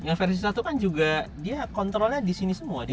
yang versi satu kan juga dia kontrolnya di sini semua